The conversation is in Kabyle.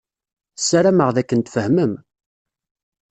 Ssarameɣ d akken tfehmem.